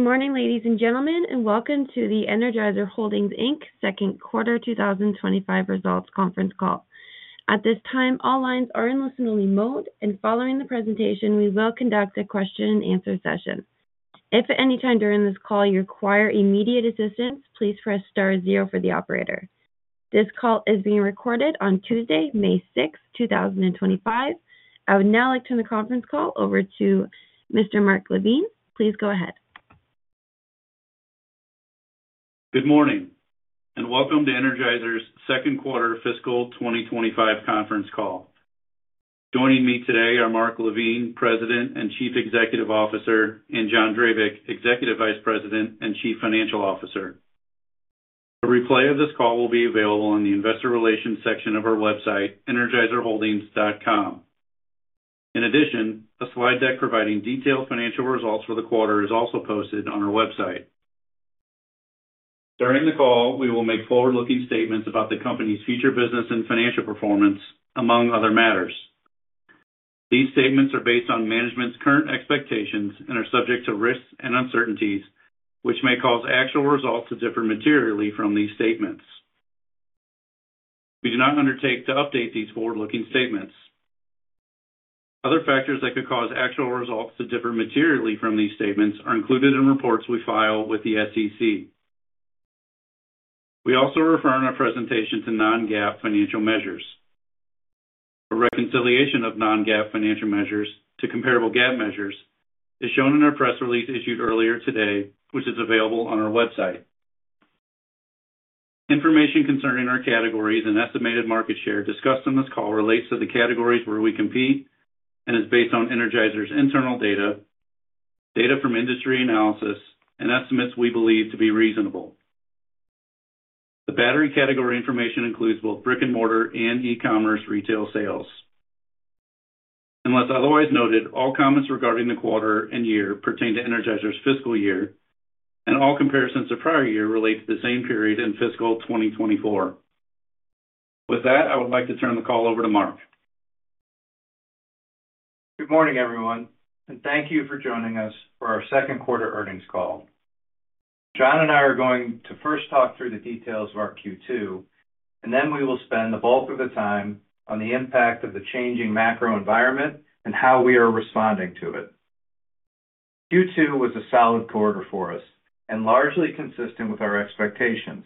Good morning, ladies and gentlemen, and welcome to the Energizer Holdings Inc second quarter 2025 results conference call. At this time, all lines are in listen-only mode, and following the presentation, we will conduct a question-and-answer session. If at any time during this call you require immediate assistance, please press star zero for the operator. This call is being recorded on Tuesday, May 6th, 2025. I would now like to turn the conference call over to Mr. Mark LaVigne. Please go ahead. Good morning, and welcome to Energizer's second quarter fiscal 2025 conference call. Joining me today are Mark LaVigne, President and Chief Executive Officer, and John Drabik, Executive Vice President and Chief Financial Officer. A replay of this call will be available in the Investor Relations section of our website, energizerholdings.com. In addition, a slide deck providing detailed financial results for the quarter is also posted on our website. During the call, we will make forward-looking statements about the company's future business and financial performance, among other matters. These statements are based on management's current expectations and are subject to risks and uncertainties, which may cause actual results to differ materially from these statements. We do not undertake to update these forward-looking statements. Other factors that could cause actual results to differ materially from these statements are included in reports we file with the SEC. We also refer in our presentation to non-GAAP financial measures. A reconciliation of non-GAAP financial measures to comparable GAAP measures is shown in our press release issued earlier today, which is available on our website. Information concerning our categories and estimated market share discussed in this call relates to the categories where we compete and is based on Energizer's internal data, data from industry analysis, and estimates we believe to be reasonable. The battery category information includes both brick-and-mortar and e-commerce retail sales. Unless otherwise noted, all comments regarding the quarter and year pertain to Energizer's fiscal year, and all comparisons to prior year relate to the same period in fiscal 2024. With that, I would like to turn the call over to Mark. Good morning, everyone, and thank you for joining us for our second quarter earnings call. John and I are going to first talk through the details of our Q2, and then we will spend the bulk of the time on the impact of the changing macro environment and how we are responding to it. Q2 was a solid quarter for us and largely consistent with our expectations.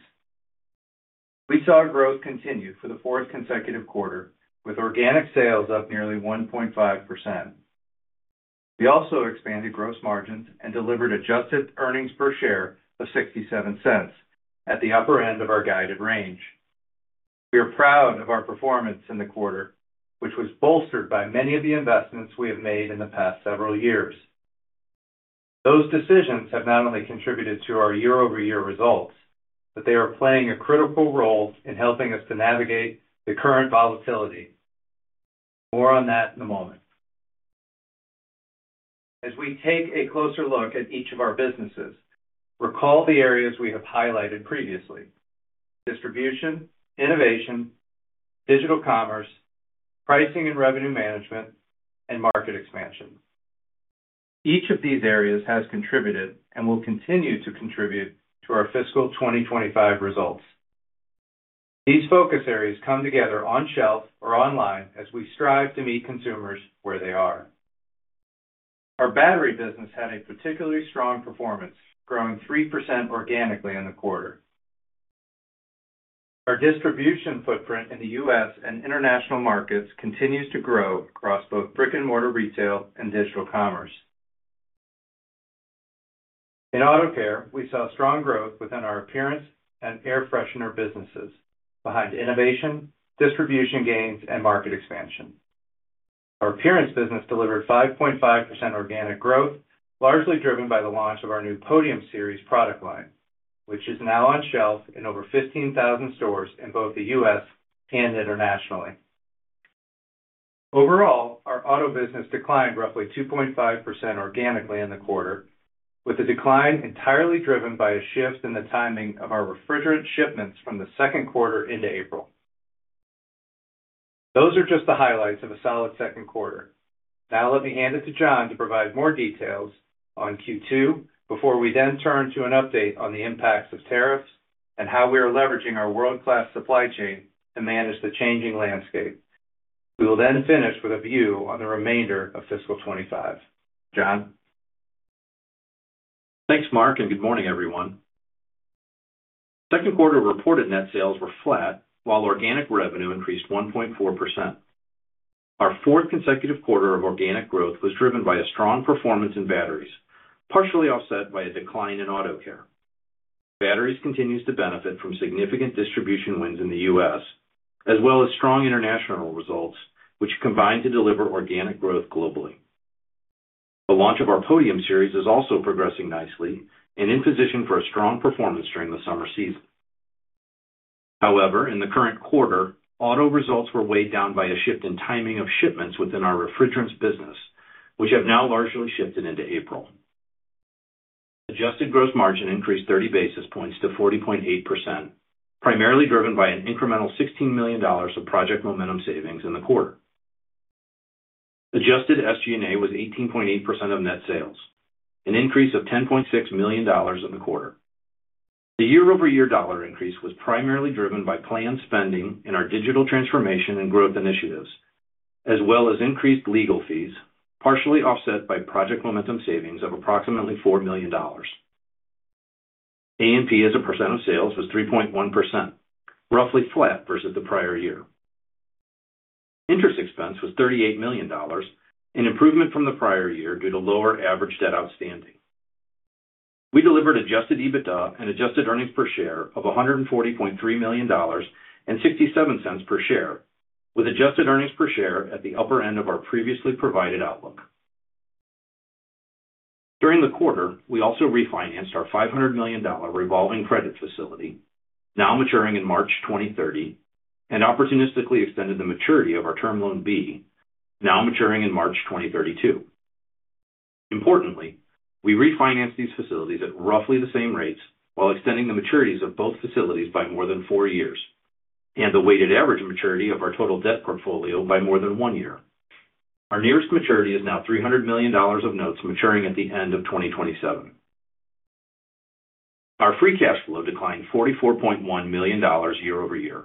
We saw growth continue for the fourth consecutive quarter, with organic sales up nearly 1.5%. We also expanded gross margins and delivered adjusted earnings per share of $0.67, at the upper end of our guided range. We are proud of our performance in the quarter, which was bolstered by many of the investments we have made in the past several years. Those decisions have not only contributed to our year-over-year results, but they are playing a critical role in helping us to navigate the current volatility. More on that in a moment. As we take a closer look at each of our businesses, recall the areas we have highlighted previously: distribution, innovation, digital commerce, pricing and revenue management, and market expansion. Each of these areas has contributed and will continue to contribute to our fiscal 2025 results. These focus areas come together on shelf or online as we strive to meet consumers where they are. Our battery business had a particularly strong performance, growing 3% organically in the quarter. Our distribution footprint in the U.S. and international markets continues to grow across both brick-and-mortar retail and digital commerce. In auto care, we saw strong growth within our appearance and air freshener businesses, behind innovation, distribution gains, and market expansion. Our appearance business delivered 5.5% organic growth, largely driven by the launch of our new Podium Series product line, which is now on shelf in over 15,000 stores in both the U.S. and internationally. Overall, our auto business declined roughly 2.5% organically in the quarter, with the decline entirely driven by a shift in the timing of our refrigerant shipments from the second quarter into April. Those are just the highlights of a solid second quarter. Now, let me hand it to Jon to provide more details on Q2, before we then turn to an update on the impacts of tariffs and how we are leveraging our world-class supply chain to manage the changing landscape. We will then finish with a view on the remainder of fiscal 2025. John. Thanks, Mark, and good morning, everyone. Second quarter reported net sales were flat, while organic revenue increased 1.4%. Our fourth consecutive quarter of organic growth was driven by a strong performance in batteries, partially offset by a decline in auto care. Batteries continue to benefit from significant distribution wins in the U.S., as well as strong international results, which combine to deliver organic growth globally. The launch of our Podium Series is also progressing nicely and in position for a strong performance during the summer season. However, in the current quarter, auto results were weighed down by a shift in timing of shipments within our refrigerants business, which have now largely shifted into April. Adjusted gross margin increased 30 basis points to 40.8%, primarily driven by an incremental $16 million of Project Momentum savings in the quarter. Adjusted SG&A was 18.8% of net sales, an increase of $10.6 million in the quarter. The year-over-year dollar increase was primarily driven by planned spending in our digital transformation and growth initiatives, as well as increased legal fees, partially offset by Project Momentum savings of approximately $4 million. A&P as a percent of sales was 3.1%, roughly flat versus the prior year. Interest expense was $38 million, an improvement from the prior year due to lower average debt outstanding. We delivered adjusted EBITDA and adjusted earnings per share of $140.3 million and $0.67 per share, with adjusted earnings per share at the upper end of our previously provided outlook. During the quarter, we also refinanced our $500 million revolving credit facility, now maturing in March 2030, and opportunistically extended the maturity of our term loan B, now maturing in March 2032. Importantly, we refinanced these facilities at roughly the same rates while extending the maturities of both facilities by more than four years and the weighted average maturity of our total debt portfolio by more than one year. Our nearest maturity is now $300 million of notes maturing at the end of 2027. Our free cash flow declined $44.1 million year-over-year,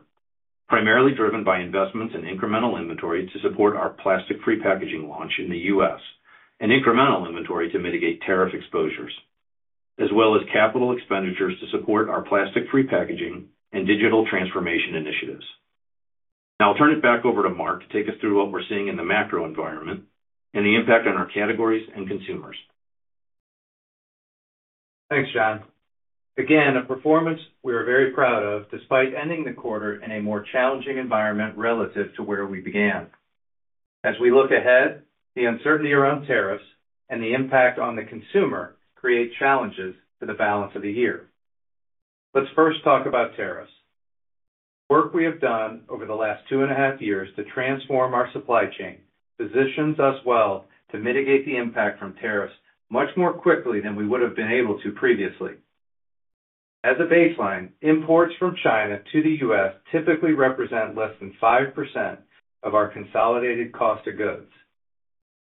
primarily driven by investments in incremental inventory to support our plastic-free packaging launch in the U.S. and incremental inventory to mitigate tariff exposures, as well as capital expenditures to support our plastic-free packaging and digital transformation initiatives. Now, I'll turn it back over to Mark to take us through what we're seeing in the macro environment and the impact on our categories and consumers. Thanks, John. Again, a performance we are very proud of, despite ending the quarter in a more challenging environment relative to where we began. As we look ahead, the uncertainty around tariffs and the impact on the consumer create challenges for the balance of the year. Let's first talk about tariffs. The work we have done over the last two and a half years to transform our supply chain positions us well to mitigate the impact from tariffs much more quickly than we would have been able to previously. As a baseline, imports from China to the U.S. typically represent less than 5% of our consolidated cost of goods.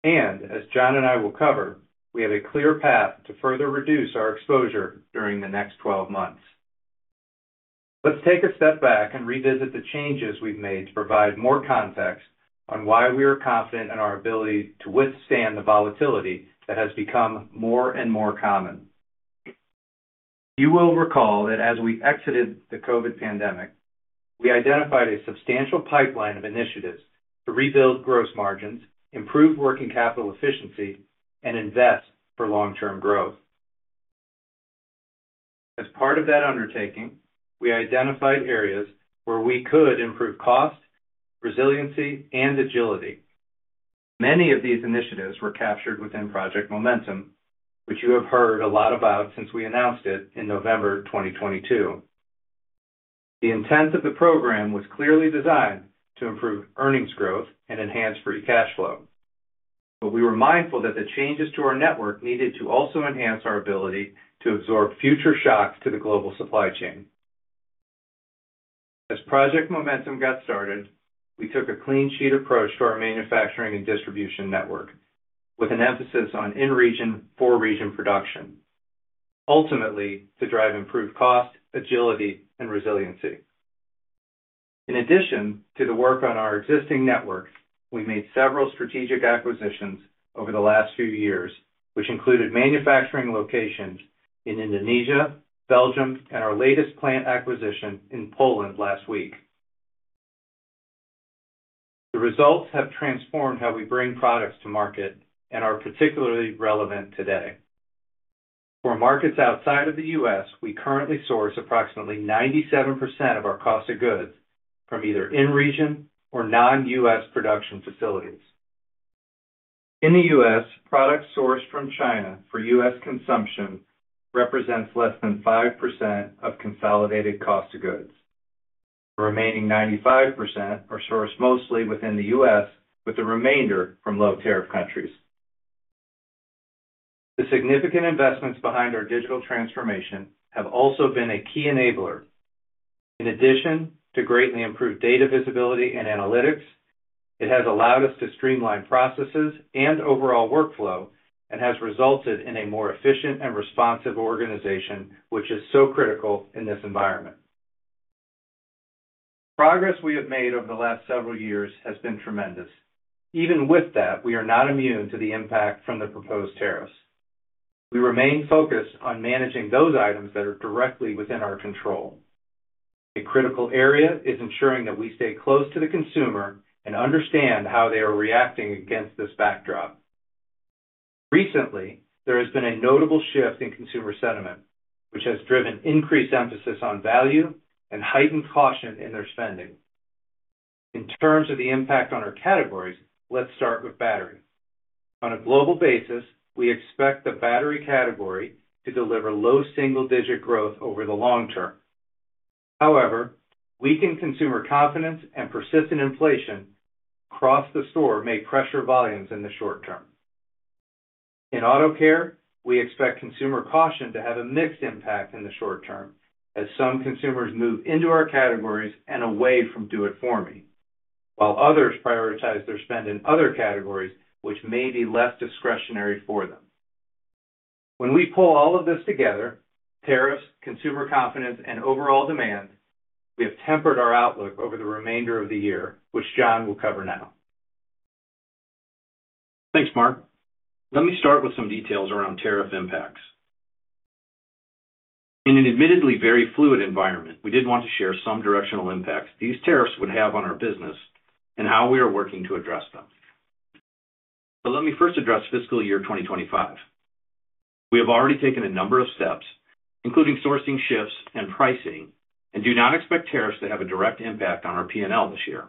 As John and I will cover, we have a clear path to further reduce our exposure during the next 12 months. Let's take a step back and revisit the changes we've made to provide more context on why we are confident in our ability to withstand the volatility that has become more and more common. You will recall that as we exited the COVID pandemic, we identified a substantial pipeline of initiatives to rebuild gross margins, improve working capital efficiency, and invest for long-term growth. As part of that undertaking, we identified areas where we could improve cost, resiliency, and agility. Many of these initiatives were captured within Project Momentum, which you have heard a lot about since we announced it in November 2022. The intent of the program was clearly designed to improve earnings growth and enhance free cash flow, but we were mindful that the changes to our network needed to also enhance our ability to absorb future shocks to the global supply chain. As Project Momentum got started, we took a clean-sheet approach to our manufacturing and distribution network, with an emphasis on in-region, for-region production, ultimately to drive improved cost, agility, and resiliency. In addition to the work on our existing network, we made several strategic acquisitions over the last few years, which included manufacturing locations in Indonesia, Belgium, and our latest plant acquisition in Poland last week. The results have transformed how we bring products to market and are particularly relevant today. For markets outside of the U.S., we currently source approximately 97% of our cost of goods from either in-region or non-U.S. production facilities. In the U.S., products sourced from China for U.S. consumption represent less than 5% of consolidated cost of goods. The remaining 95% are sourced mostly within the U.S., with the remainder from low-tariff countries. The significant investments behind our digital transformation have also been a key enabler. In addition to greatly improved data visibility and analytics, it has allowed us to streamline processes and overall workflow and has resulted in a more efficient and responsive organization, which is so critical in this environment. Progress we have made over the last several years has been tremendous. Even with that, we are not immune to the impact from the proposed tariffs. We remain focused on managing those items that are directly within our control. A critical area is ensuring that we stay close to the consumer and understand how they are reacting against this backdrop. Recently, there has been a notable shift in consumer sentiment, which has driven increased emphasis on value and heightened caution in their spending. In terms of the impact on our categories, let's start with battery. On a global basis, we expect the battery category to deliver low single-digit growth over the long term. However, weakened consumer confidence and persistent inflation across the store may pressure volumes in the short term. In auto care, we expect consumer caution to have a mixed impact in the short term, as some consumers move into our categories and away from do-it-for-me, while others prioritize their spend in other categories, which may be less discretionary for them. When we pull all of this together—tariffs, consumer confidence, and overall demand—we have tempered our outlook over the remainder of the year, which John will cover now. Thanks, Mark. Let me start with some details around tariff impacts. In an admittedly very fluid environment, we did want to share some directional impacts these tariffs would have on our business and how we are working to address them. Let me first address fiscal year 2025. We have already taken a number of steps, including sourcing shifts and pricing, and do not expect tariffs to have a direct impact on our P&L this year.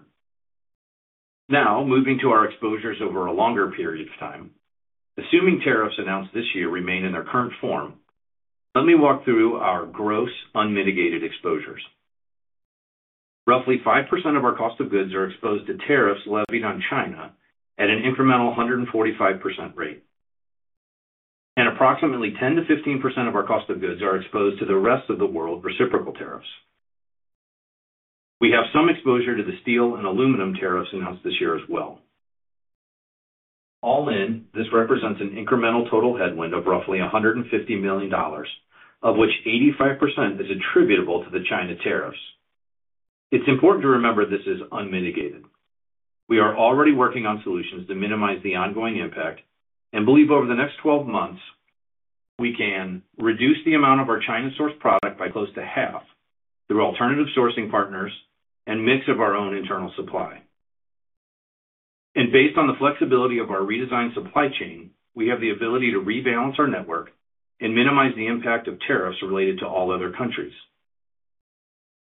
Now, moving to our exposures over a longer period of time, assuming tariffs announced this year remain in their current form, let me walk through our gross unmitigated exposures. Roughly 5% of our cost of goods are exposed to tariffs levied on China at an incremental 145% rate, and approximately 10%-15% of our cost of goods are exposed to the rest of the world reciprocal tariffs. We have some exposure to the steel and aluminum tariffs announced this year as well. All in, this represents an incremental total headwind of roughly $150 million, of which 85% is attributable to the China tariffs. It's important to remember this is unmitigated. We are already working on solutions to minimize the ongoing impact and believe over the next 12 months, we can reduce the amount of our China-sourced product by close to half through alternative sourcing partners and a mix of our own internal supply. Based on the flexibility of our redesigned supply chain, we have the ability to rebalance our network and minimize the impact of tariffs related to all other countries.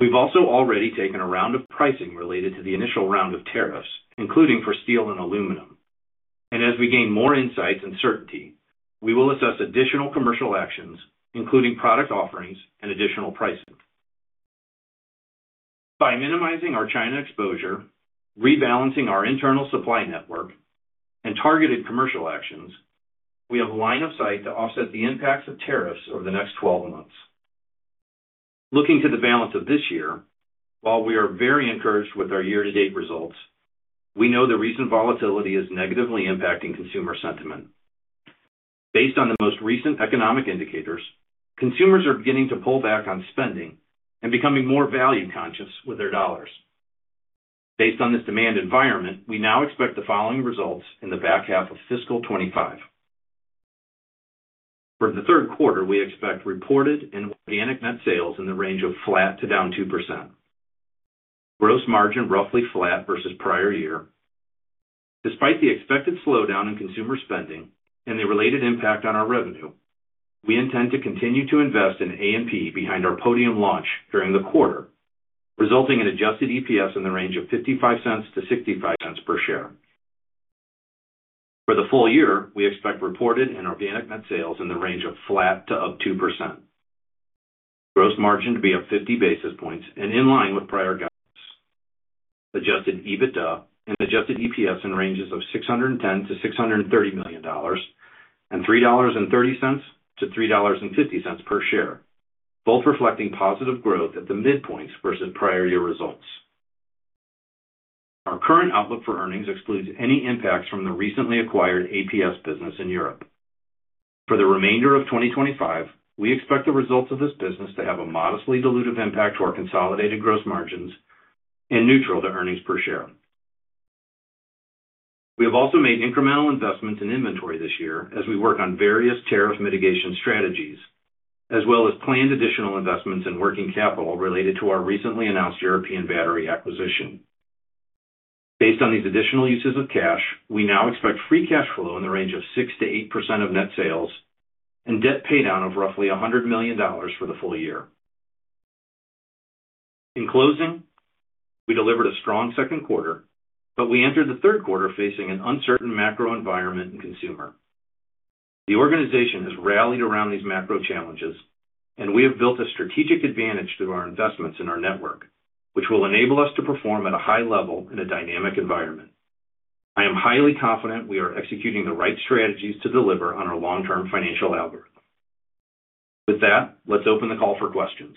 We've also already taken a round of pricing related to the initial round of tariffs, including for steel and aluminum. As we gain more insights and certainty, we will assess additional commercial actions, including product offerings and additional pricing. By minimizing our China exposure, rebalancing our internal supply network, and targeted commercial actions, we have a line of sight to offset the impacts of tariffs over the next 12 months. Looking to the balance of this year, while we are very encouraged with our year-to-date results, we know the recent volatility is negatively impacting consumer sentiment. Based on the most recent economic indicators, consumers are beginning to pull back on spending and becoming more value-conscious with their dollars. Based on this demand environment, we now expect the following results in the back half of fiscal 2025. For the third quarter, we expect reported and organic net sales in the range of flat to down 2%. Gross margin roughly flat versus prior year. Despite the expected slowdown in consumer spending and the related impact on our revenue, we intend to continue to invest in A&P behind our Podium launch during the quarter, resulting in adjusted EPS in the range of $0.55-$0.65 per share. For the full year, we expect reported and organic net sales in the range of flat to up 2%. Gross margin to be up 50 basis points and in line with prior guidance. Adjusted EBITDA and adjusted EPS in ranges of $610 million-$630 million and $3.30-$3.50 per share, both reflecting positive growth at the midpoints versus prior year results. Our current outlook for earnings excludes any impacts from the recently acquired APS business in Europe. For the remainder of 2025, we expect the results of this business to have a modestly dilutive impact to our consolidated gross margins and neutral to earnings per share. We have also made incremental investments in inventory this year as we work on various tariff mitigation strategies, as well as planned additional investments in working capital related to our recently announced European battery acquisition. Based on these additional uses of cash, we now expect free cash flow in the range of 6%-8% of net sales and debt paydown of roughly $100 million for the full year. In closing, we delivered a strong second quarter, but we entered the third quarter facing an uncertain macro environment and consumer. The organization has rallied around these macro challenges, and we have built a strategic advantage through our investments in our network, which will enable us to perform at a high level in a dynamic environment. I am highly confident we are executing the right strategies to deliver on our long-term financial outlook. With that, let's open the call for questions.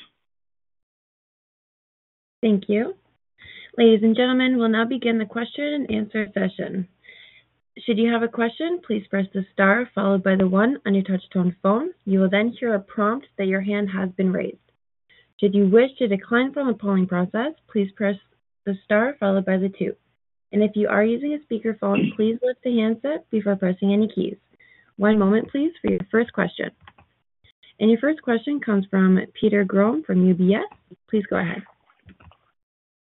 Thank you. Ladies and gentlemen, we will now begin the question and answer session. Should you have a question, please press the star followed by the one on your touch-tone phone. You will then hear a prompt that your hand has been raised. Should you wish to decline from the polling process, please press the star followed by the two. If you are using a speakerphone, please lift the handset before pressing any keys. One moment, please, for your first question. Your first question comes from Peter Grom from UBS. Please go ahead.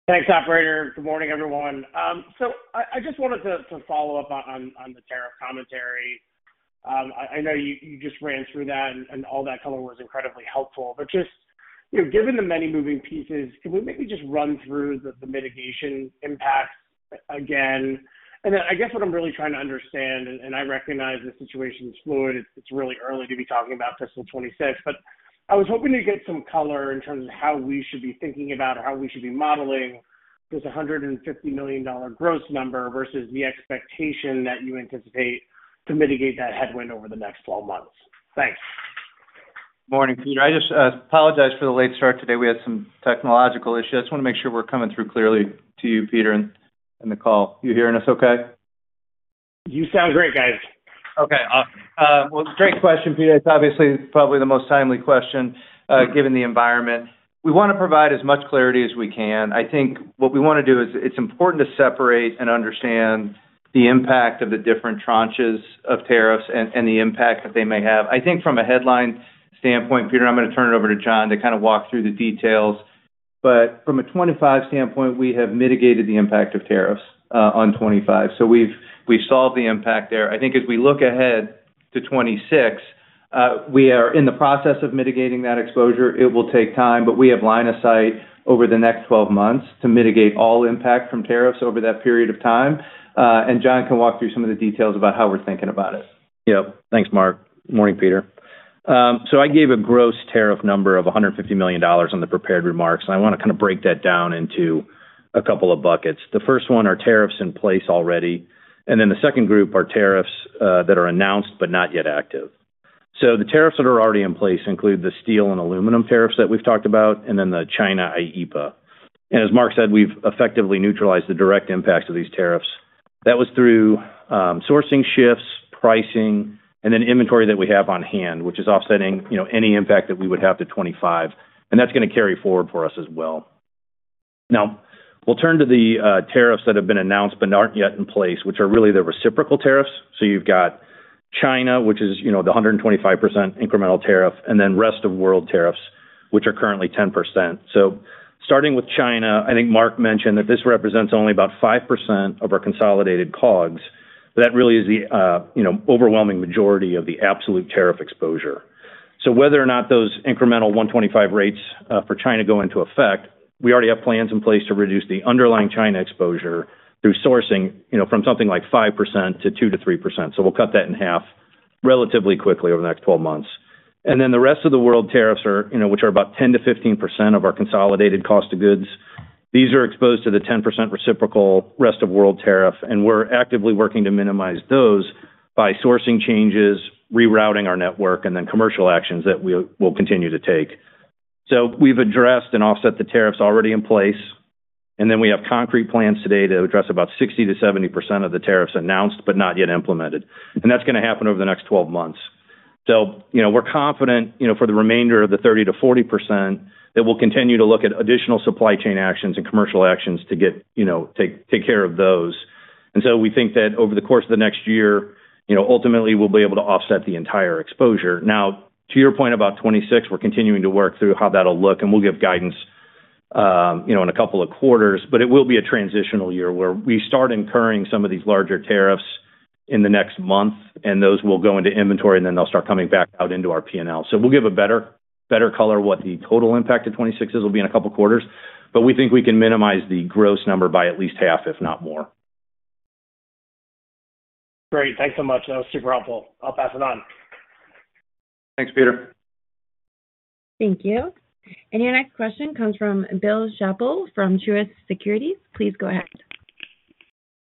Thanks, operator. Good morning, everyone. I just wanted to follow up on the tariff commentary. I know you just ran through that, and all that cover was incredibly helpful. Just given the many moving pieces, can we maybe just run through the mitigation impacts again? I guess what I'm really trying to understand, and I recognize the situation's fluid, it's really early to be talking about fiscal 2026, but I was hoping to get some color in terms of how we should be thinking about or how we should be modeling this $150 million gross number versus the expectation that you anticipate to mitigate that headwind over the next 12 months. Thanks. Morning, Peter. I just apologize for the late start today. We had some technological issues. I just want to make sure we're coming through clearly to you, Peter, and the call. You hearing us okay? You sound great, guys. Okay. Awesome. Great question, Peter. It's obviously probably the most timely question given the environment. We want to provide as much clarity as we can. I think what we want to do is it's important to separate and understand the impact of the different tranches of tariffs and the impact that they may have. I think from a headline standpoint, Peter, I'm going to turn it over to John to kind of walk through the details. From a 2025 standpoint, we have mitigated the impact of tariffs on 2025. We have solved the impact there. I think as we look ahead to 2026, we are in the process of mitigating that exposure. It will take time, but we have line of sight over the next 12 months to mitigate all impact from tariffs over that period of time. John can walk through some of the details about how we're thinking about it. Yep. Thanks, Mark. Morning, Peter. I gave a gross tariff number of $150 million on the prepared remarks, and I want to kind of break that down into a couple of buckets. The first one are tariffs in place already, and then the second group are tariffs that are announced but not yet active. The tariffs that are already in place include the steel and aluminum tariffs that we've talked about, and then the China IEPA. As Mark said, we've effectively neutralized the direct impacts of these tariffs. That was through sourcing shifts, pricing, and then inventory that we have on hand, which is offsetting any impact that we would have to 2025. That's going to carry forward for us as well. Now, I'll turn to the tariffs that have been announced but aren't yet in place, which are really the reciprocal tariffs. You have got China, which is the 125% incremental tariff, and then rest of world tariffs, which are currently 10%. Starting with China, I think Mark mentioned that this represents only about 5% of our consolidated COGS. That really is the overwhelming majority of the absolute tariff exposure. Whether or not those incremental 125% rates for China go into effect, we already have plans in place to reduce the underlying China exposure through sourcing from something like 5% to 2%-3%. We will cut that in half relatively quickly over the next 12 months. The rest of the world tariffs, which are about 10%-15% of our consolidated cost of goods, these are exposed to the 10% reciprocal rest of world tariff. We are actively working to minimize those by sourcing changes, rerouting our network, and then commercial actions that we will continue to take. We have addressed and offset the tariffs already in place, and we have concrete plans today to address about 60%-70% of the tariffs announced but not yet implemented. That is going to happen over the next 12 months. We are confident for the remainder of the 30%-40% that we will continue to look at additional supply chain actions and commercial actions to take care of those. We think that over the course of the next year, ultimately, we will be able to offset the entire exposure. Now, to your point about 2026, we are continuing to work through how that will look, and we will give guidance in a couple of quarters. It will be a transitional year where we start incurring some of these larger tariffs in the next month, and those will go into inventory, and then they'll start coming back out into our P&L. We will give a better color what the total impact of 2026 is. It will be in a couple of quarters. We think we can minimize the gross number by at least half, if not more. Great. Thanks so much. That was super helpful. I'll pass it on. Thanks, Peter. Thank you. Your next question comes from Bill Chappell from Truist Securities. Please go ahead.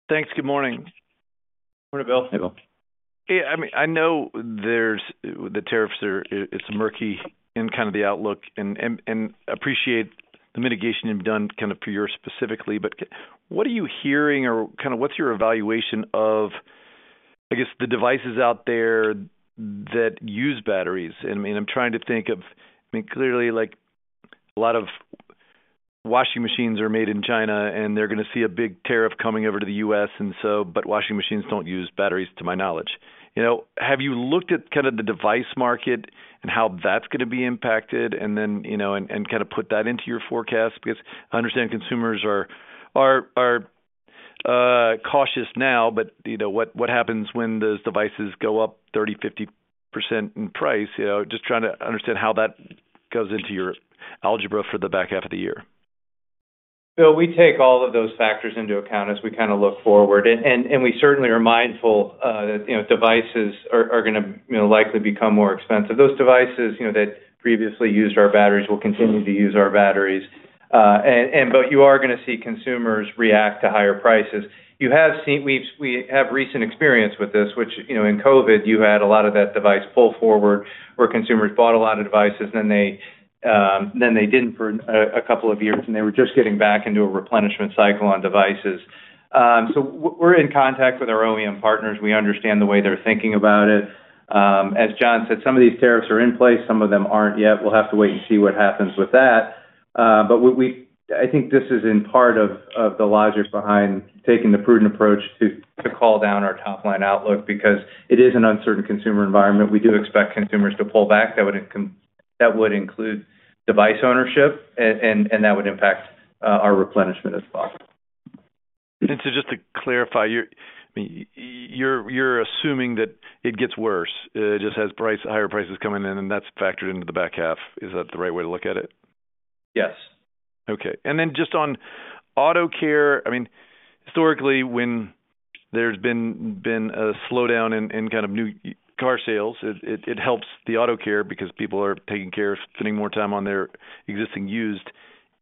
Thanks. Good morning. Morning, Bill. Hey, I mean, I know the tariffs are, it's murky in kind of the outlook, and I appreciate the mitigation you've done kind of for yours specifically. What are you hearing, or kind of what's your evaluation of, I guess, the devices out there that use batteries? I mean, I'm trying to think of, I mean, clearly, a lot of washing machines are made in China, and they're going to see a big tariff coming over to the U.S., and washing machines don't use batteries, to my knowledge. Have you looked at kind of the device market and how that's going to be impacted and then kind of put that into your forecast? I understand consumers are cautious now, but what happens when those devices go up 30%-50% in price? Just trying to understand how that goes into your algebra for the back half of the year. Bill, we take all of those factors into account as we kind of look forward. We certainly are mindful that devices are going to likely become more expensive. Those devices that previously used our batteries will continue to use our batteries. You are going to see consumers react to higher prices. We have recent experience with this, which in COVID, you had a lot of that device pull forward where consumers bought a lot of devices, and then they did not for a couple of years, and they were just getting back into a replenishment cycle on devices. We are in contact with our OEM partners. We understand the way they are thinking about it. As John said, some of these tariffs are in place, some of them are not yet. We will have to wait and see what happens with that. I think this is in part of the logic behind taking the prudent approach to call down our top-line outlook because it is an uncertain consumer environment. We do expect consumers to pull back. That would include device ownership, and that would impact our replenishment as well. Just to clarify, you're assuming that it gets worse just as higher prices come in, and that's factored into the back half. Is that the right way to look at it? Yes. Okay. And then just on auto care, I mean, historically, when there's been a slowdown in kind of new car sales, it helps the auto care because people are taking care of spending more time on their existing used.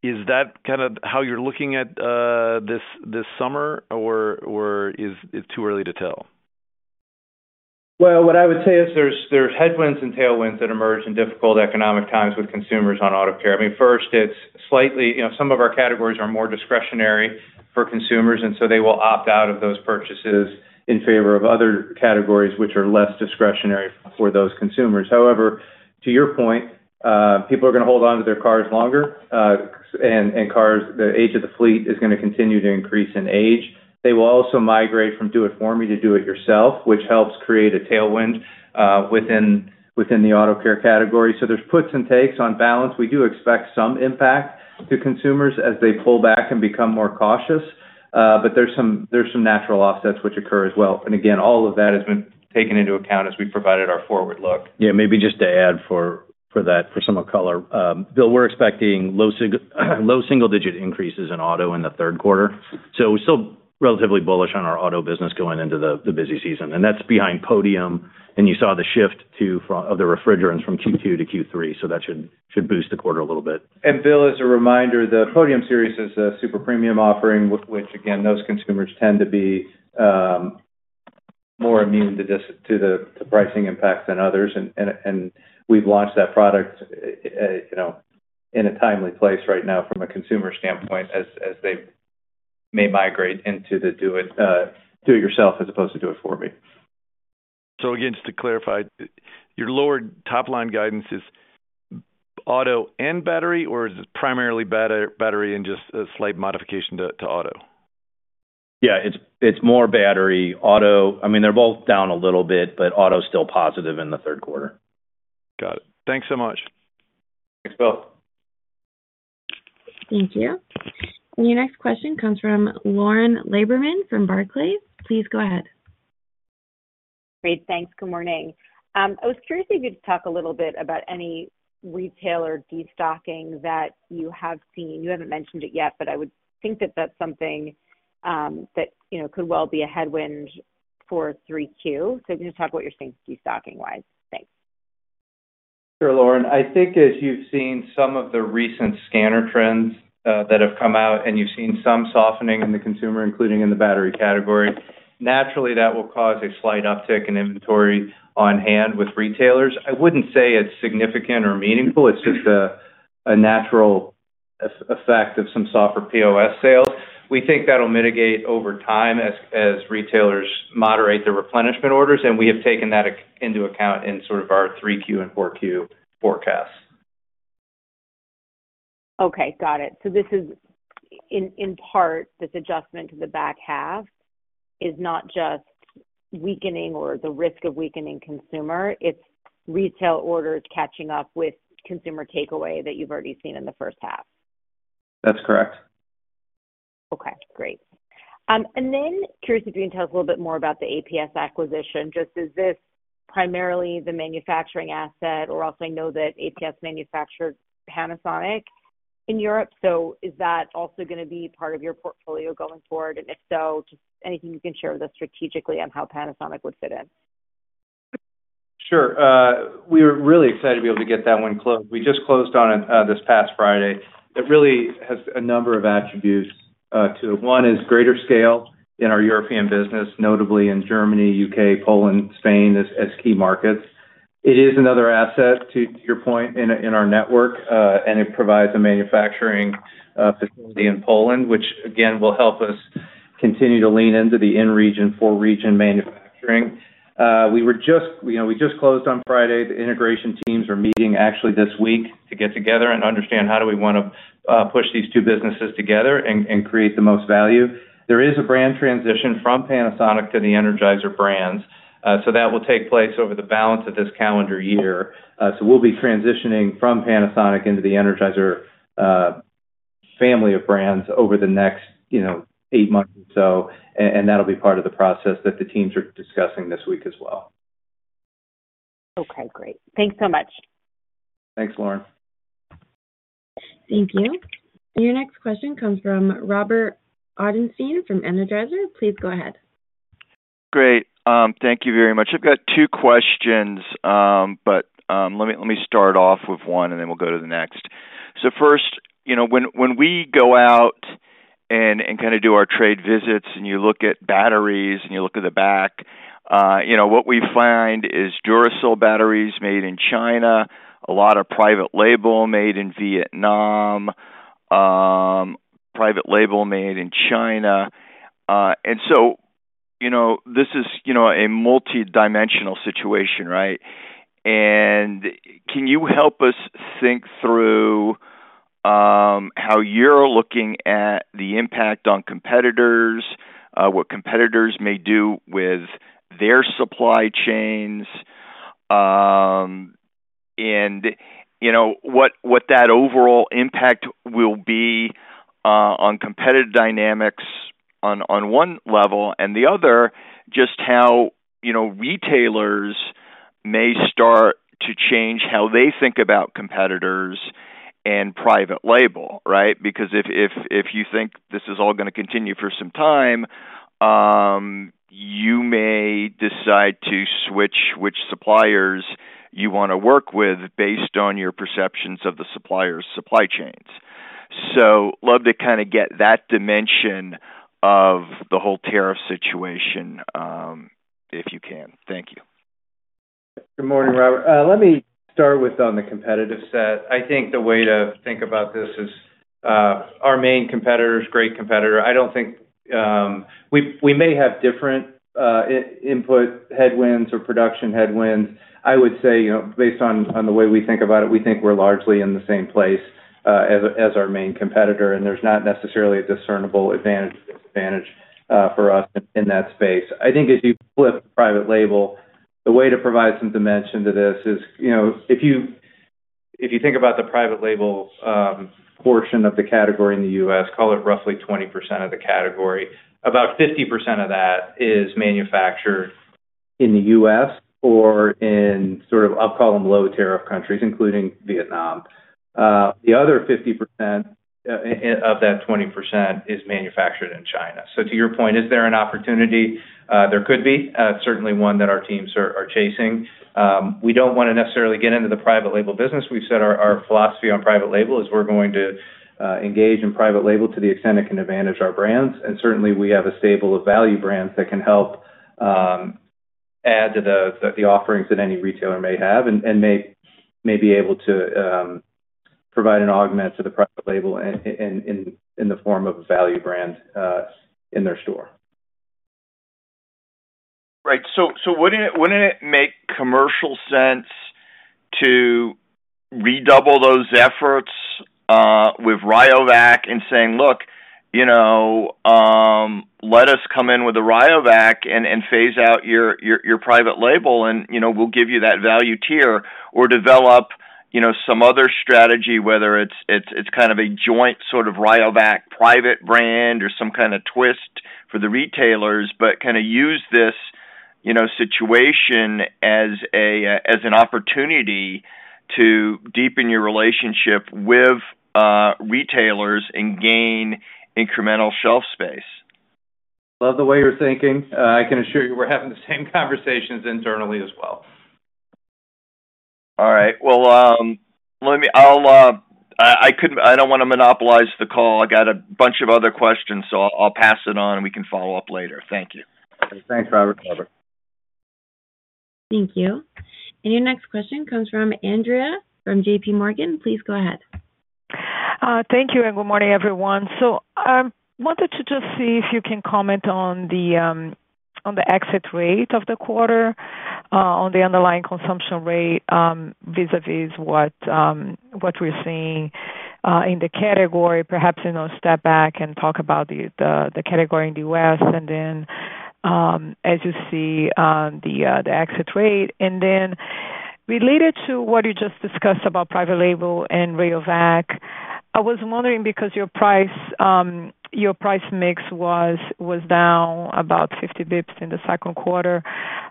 Is that kind of how you're looking at this summer, or is it too early to tell? What I would say is there's headwinds and tailwinds that emerge in difficult economic times with consumers on auto care. I mean, first, some of our categories are more discretionary for consumers, and so they will opt out of those purchases in favor of other categories which are less discretionary for those consumers. However, to your point, people are going to hold on to their cars longer, and the age of the fleet is going to continue to increase in age. They will also migrate from do-it-for-me to do-it-yourself, which helps create a tailwind within the auto care category. There's puts and takes on balance. We do expect some impact to consumers as they pull back and become more cautious, but there's some natural offsets which occur as well. Again, all of that has been taken into account as we provided our forward look. Yeah. Maybe just to add for that, for some color, Bill, we're expecting low single-digit increases in auto in the third quarter. We are still relatively bullish on our auto business going into the busy season. That is behind Podium, and you saw the shift of the refrigerants from Q2 to Q3. That should boost the quarter a little bit. Bill, as a reminder, the Podium Series is a super premium offering, which, again, those consumers tend to be more immune to pricing impacts than others. We have launched that product in a timely place right now from a consumer standpoint as they may migrate into the do-it-yourself as opposed to do-it-for-me. Just to clarify, your lower top-line guidance is auto and battery, or is it primarily battery and just a slight modification to auto? Yeah. It's more battery. Auto, I mean, they're both down a little bit, but auto's still positive in the third quarter. Got it. Thanks so much. Thanks, Bill. Thank you. Your next question comes from Lauren Lieberman from Barclays. Please go ahead. Great. Thanks. Good morning. I was curious if you could talk a little bit about any retailer destocking that you have seen. You haven't mentioned it yet, but I would think that that's something that could well be a headwind for 3Q. Can you just talk about what you're seeing destocking-wise? Thanks. Sure, Lauren. I think as you've seen some of the recent scanner trends that have come out, and you've seen some softening in the consumer, including in the battery category, naturally, that will cause a slight uptick in inventory on hand with retailers. I wouldn't say it's significant or meaningful. It's just a natural effect of some softer POS sales. We think that'll mitigate over time as retailers moderate their replenishment orders, and we have taken that into account in sort of our 3Q and 4Q forecasts. Okay. Got it. This is in part, this adjustment to the back half is not just weakening or the risk of weakening consumer. It is retail orders catching up with consumer takeaway that you have already seen in the first half. That's correct. Okay. Great. Curious if you can tell us a little bit more about the APS acquisition. Is this primarily the manufacturing asset? We also know that APS manufactures Panasonic in Europe. Is that also going to be part of your portfolio going forward? If so, anything you can share with us strategically on how Panasonic would fit in? Sure. We were really excited to be able to get that one closed. We just closed on it this past Friday. It really has a number of attributes to it. One is greater scale in our European business, notably in Germany, U.K., Poland, Spain as key markets. It is another asset, to your point, in our network, and it provides a manufacturing facility in Poland, which, again, will help us continue to lean into the in-region, four-region manufacturing. We just closed on Friday. The integration teams are meeting actually this week to get together and understand how do we want to push these two businesses together and create the most value. There is a brand transition from Panasonic to the Energizer brands. That will take place over the balance of this calendar year. We will be transitioning from Panasonic into the Energizer family of brands over the next eight months or so, and that will be part of the process that the teams are discussing this week as well. Okay. Great. Thanks so much. Thanks, Lauren. Thank you. Your next question comes from Robert Ottenstein from Evercore. Please go ahead. Great. Thank you very much. I've got two questions, but let me start off with one, and then we'll go to the next. First, when we go out and kind of do our trade visits and you look at batteries and you look at the back, what we find is Duracell batteries made in China, a lot of private label made in Vietnam, private label made in China. This is a multidimensional situation, right? Can you help us think through how you're looking at the impact on competitors, what competitors may do with their supply chains, and what that overall impact will be on competitive dynamics on one level, and the other, just how retailers may start to change how they think about competitors and private label, right? Because if you think this is all going to continue for some time, you may decide to switch which suppliers you want to work with based on your perceptions of the supplier's supply chains. I would love to kind of get that dimension of the whole tariff situation if you can. Thank you. Good morning, Robert. Let me start with on the competitive set. I think the way to think about this is our main competitor's a great competitor. I don't think we may have different input headwinds or production headwinds. I would say based on the way we think about it, we think we're largely in the same place as our main competitor, and there's not necessarily a discernible advantage or disadvantage for us in that space. I think as you flip private label, the way to provide some dimension to this is if you think about the private label portion of the category in the U.S., call it roughly 20% of the category, about 50% of that is manufactured in the U.S. or in sort of, I'll call them low tariff countries, including Vietnam. The other 50% of that 20% is manufactured in China. To your point, is there an opportunity? There could be, certainly one that our teams are chasing. We do not want to necessarily get into the private label business. We have said our philosophy on private label is we are going to engage in private label to the extent it can advantage our brands. We certainly have a stable of value brands that can help add to the offerings that any retailer may have and may be able to provide an augment to the private label in the form of a value brand in their store. Right. So wouldn't it make commercial sense to redouble those efforts with Rayovac and saying, "Look, let us come in with a Rayovac and phase out your private label, and we'll give you that value tier," or develop some other strategy, whether it's kind of a joint sort of Rayovac private brand or some kind of twist for the retailers, but kind of use this situation as an opportunity to deepen your relationship with retailers and gain incremental shelf space? Love the way you're thinking. I can assure you we're having the same conversations internally as well. All right. I do not want to monopolize the call. I got a bunch of other questions, so I will pass it on, and we can follow up later. Thank you. Thanks, Robert. Thank you. Your next question comes from Andrea from JPMorgan. Please go ahead. Thank you, and good morning, everyone. I wanted to just see if you can comment on the exit rate of the quarter, on the underlying consumption rate vis-à-vis what we're seeing in the category. Perhaps step back and talk about the category in the U.S. and then, as you see, the exit rate. Related to what you just discussed about private label and Rayovac, I was wondering because your price mix was down about 50 basis points in the second quarter,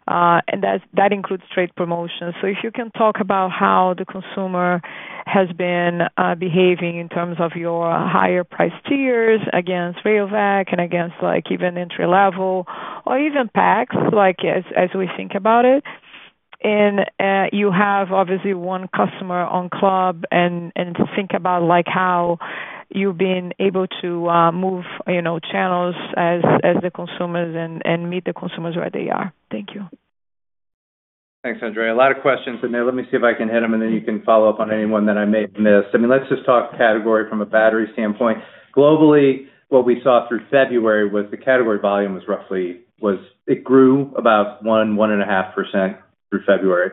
and that includes trade promotions. If you can talk about how the consumer has been behaving in terms of your higher price tiers against Rayovac and against even entry-level or even packs, as we think about it. You have obviously one customer on club, and think about how you've been able to move channels as the consumers and meet the consumers where they are. Thank you. Thanks, Andrea. A lot of questions in there. Let me see if I can hit them, and then you can follow up on any one that I may have missed. I mean, let's just talk category from a battery standpoint. Globally, what we saw through February was the category volume was roughly, it grew about 1%-1.5% through February.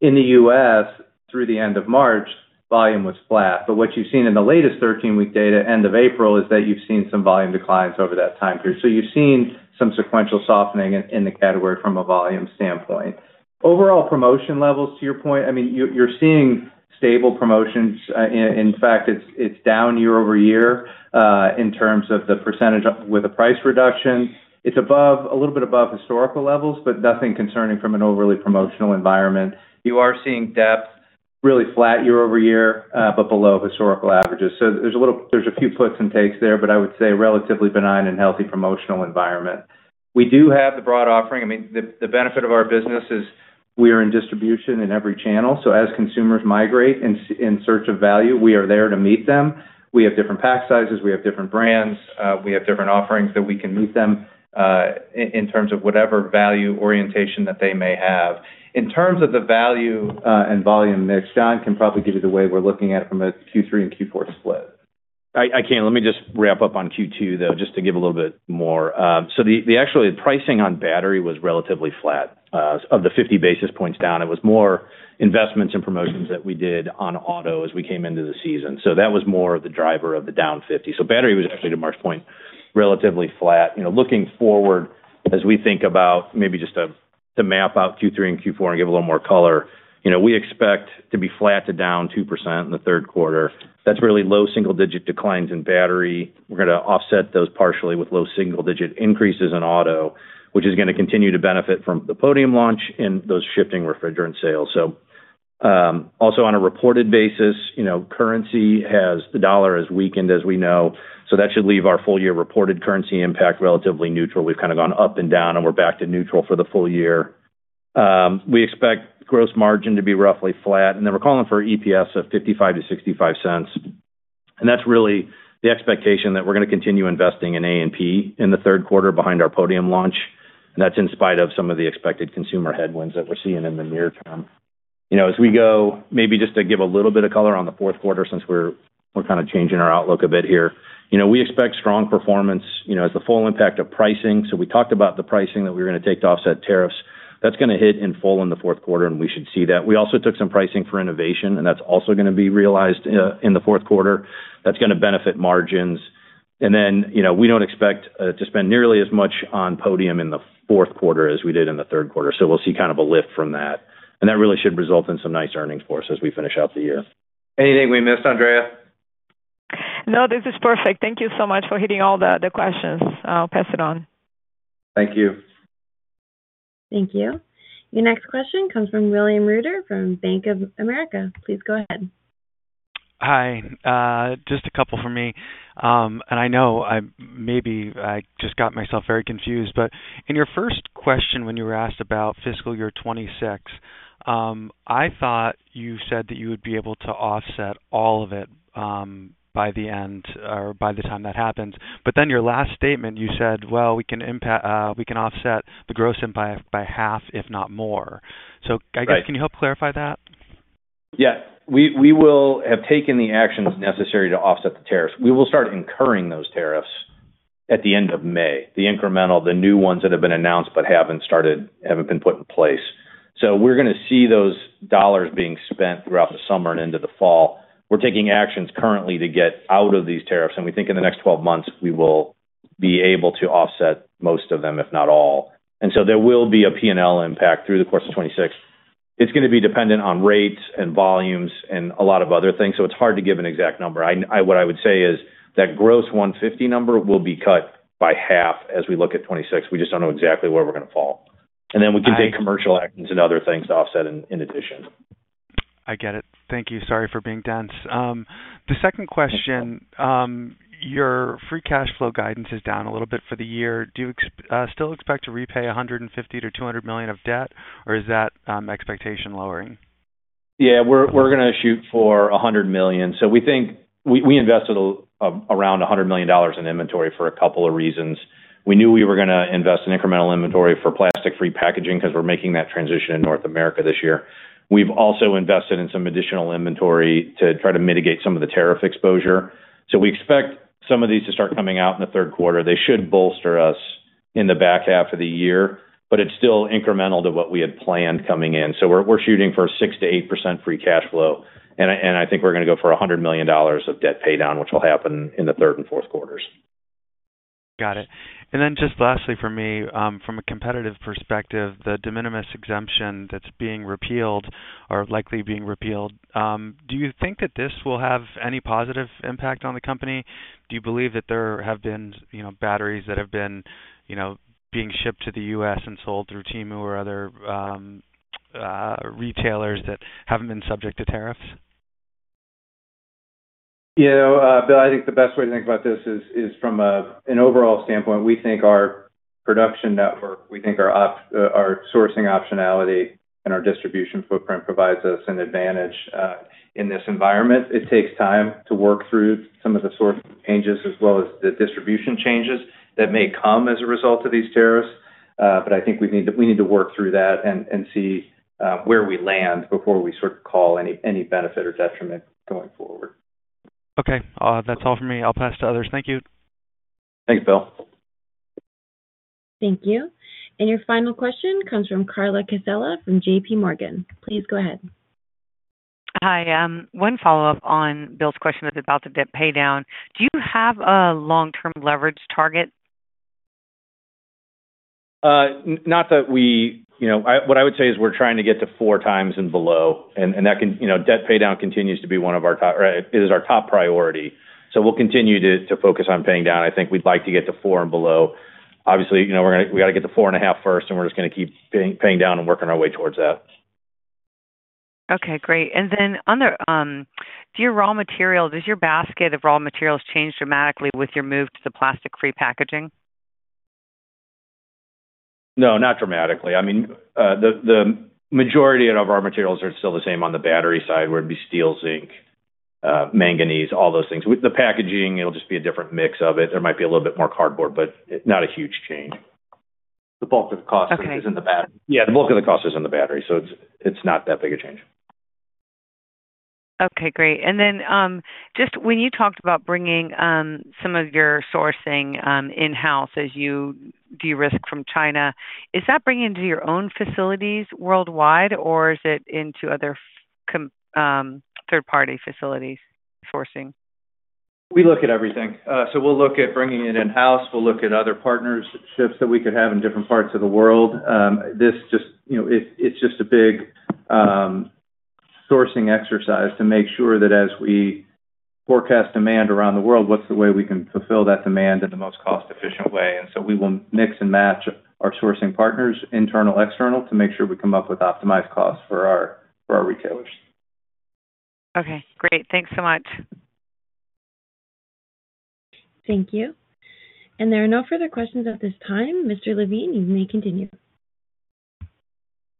In the U.S., through the end of March, volume was flat. What you've seen in the latest 13-week data, end of April, is that you've seen some volume declines over that time period. You have seen some sequential softening in the category from a volume standpoint. Overall promotion levels, to your point, I mean, you're seeing stable promotions. In fact, it is down year over year in terms of the percentage with a price reduction. It is a little bit above historical levels, but nothing concerning from an overly promotional environment. You are seeing depth, really flat year-over-year, but below historical averages. There are a few puts and takes there, but I would say relatively benign and healthy promotional environment. We do have the broad offering. I mean, the benefit of our business is we are in distribution in every channel. As consumers migrate in search of value, we are there to meet them. We have different pack sizes. We have different brands. We have different offerings that we can meet them in terms of whatever value orientation that they may have. In terms of the value and volume mix, John can probably give you the way we are looking at it from a Q3 and Q4 split. I can. Let me just wrap up on Q2, though, just to give a little bit more. So actually, pricing on battery was relatively flat, of the 50 basis points down. It was more investments and promotions that we did on auto as we came into the season. That was more of the driver of the down 50. Battery was actually, to Mark's point, relatively flat. Looking forward, as we think about maybe just to map out Q3 and Q4 and give a little more color, we expect to be flat to down 2% in the third quarter. That's really low single-digit declines in battery. We're going to offset those partially with low single-digit increases in auto, which is going to continue to benefit from the Podium launch and those shifting refrigerant sales. Also on a reported basis, currency has the dollar has weakened, as we know. That should leave our full-year reported currency impact relatively neutral. We've kind of gone up and down, and we're back to neutral for the full year. We expect gross margin to be roughly flat. We're calling for EPS of $0.55-$0.65. That's really the expectation that we're going to continue investing in A&P in the third quarter behind our Podium launch. That's in spite of some of the expected consumer headwinds that we're seeing in the near term. As we go, maybe just to give a little bit of color on the fourth quarter, since we're kind of changing our outlook a bit here, we expect strong performance as the full impact of pricing. We talked about the pricing that we were going to take to offset tariffs. That's going to hit in full in the fourth quarter, and we should see that. We also took some pricing for innovation, and that's also going to be realized in the fourth quarter. That's going to benefit margins. We do not expect to spend nearly as much on Podium in the fourth quarter as we did in the third quarter. We will see kind of a lift from that. That really should result in some nice earnings for us as we finish out the year. Anything we missed, Andrea? No, this is perfect. Thank you so much for hitting all the questions. I'll pass it on. Thank you. Thank you. Your next question comes from William Reuter from Bank of America. Please go ahead. Hi. Just a couple for me. I know maybe I just got myself very confused, but in your first question when you were asked about fiscal year 2026, I thought you said that you would be able to offset all of it by the end or by the time that happens. In your last statement, you said, "We can offset the gross impact by half, if not more." I guess, can you help clarify that? Yes. We will have taken the actions necessary to offset the tariffs. We will start incurring those tariffs at the end of May, the incremental, the new ones that have been announced but have not been put in place. We are going to see those dollars being spent throughout the summer and into the fall. We are taking actions currently to get out of these tariffs. We think in the next 12 months, we will be able to offset most of them, if not all. There will be a P&L impact through the course of 2026. It is going to be dependent on rates and volumes and a lot of other things. It is hard to give an exact number. What I would say is that gross $150 million number will be cut by half as we look at 2026. We just do not know exactly where we are going to fall. We can take commercial actions and other things to offset in addition. I get it. Thank you. Sorry for being dense. The second question, your free cash flow guidance is down a little bit for the year. Do you still expect to repay $150 million-$200 million of debt, or is that expectation lowering? Yeah. We're going to shoot for $100 million. So we invested around $100 million in inventory for a couple of reasons. We knew we were going to invest in incremental inventory for plastic-free packaging because we're making that transition in North America this year. We've also invested in some additional inventory to try to mitigate some of the tariff exposure. We expect some of these to start coming out in the third quarter. They should bolster us in the back half of the year, but it's still incremental to what we had planned coming in. We're shooting for 6%-8% free cash flow. I think we're going to go for $100 million of debt paydown, which will happen in the third and fourth quarters. Got it. Lastly for me, from a competitive perspective, the de minimis exemption that's being repealed or likely being repealed, do you think that this will have any positive impact on the company? Do you believe that there have been batteries that have been being shipped to the U.S. and sold through Temu or other retailers that have not been subject to tariffs? Yeah. Bill, I think the best way to think about this is from an overall standpoint. We think our production network, we think our sourcing optionality and our distribution footprint provides us an advantage in this environment. It takes time to work through some of the sort of changes as well as the distribution changes that may come as a result of these tariffs. I think we need to work through that and see where we land before we sort of call any benefit or detriment going forward. Okay. That's all for me. I'll pass to others. Thank you. Thanks, Bill. Thank you. Your final question comes from Carla Casella from JPMorgan. Please go ahead. Hi. One follow-up on Bill's question about the debt paydown. Do you have a long-term leverage target? What I would say is we're trying to get to four times and below. Debt paydown continues to be one of our, it is our top priority. We'll continue to focus on paying down. I think we'd like to get to four and below. Obviously, we got to get to four and a half first, and we're just going to keep paying down and working our way towards that. Okay. Great. On the, do your raw material, does your basket of raw materials change dramatically with your move to the plastic-free packaging? No, not dramatically. I mean, the majority of our materials are still the same on the battery side, where it would be steel, zinc, manganese, all those things. With the packaging, it will just be a different mix of it. There might be a little bit more cardboard, but not a huge change. The bulk of the cost is in the battery. Yeah. The bulk of the cost is in the battery. It is not that big a change. Okay. Great. When you talked about bringing some of your sourcing in-house as you do your risk from China, is that bringing it to your own facilities worldwide, or is it into other third-party facilities sourcing? We look at everything. We look at bringing it in-house. We look at other partnerships that we could have in different parts of the world. This is just a big sourcing exercise to make sure that as we forecast demand around the world, what is the way we can fulfill that demand in the most cost-efficient way. We will mix and match our sourcing partners, internal and external, to make sure we come up with optimized costs for our retailers. Okay. Great. Thanks so much. Thank you. There are no further questions at this time. Mr. LaVigne, you may continue.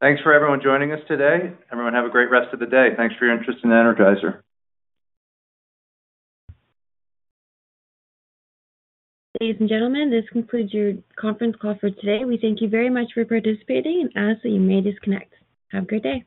Thanks for everyone joining us today. Everyone, have a great rest of the day. Thanks for your interest in Energizer. Ladies and gentlemen, this concludes your conference call for today. We thank you very much for participating, and ask that you may disconnect. Have a great day.